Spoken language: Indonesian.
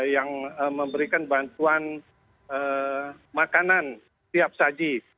yang memberikan bantuan makanan tiap saji